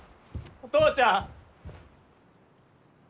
お父ちゃん！